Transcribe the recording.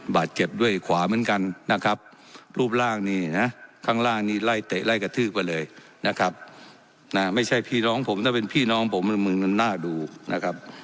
บาดเจ็บด้วยขวาเหมือนกันนะครับรูปร่างนี่นะข้างล่างนี่ไล่เตะไล่กระทืบไปเลยนะครับนะไม่ใช่พี่น้องผมถ้าเป็นพี่น้องผมมึงน่าดูนะครับ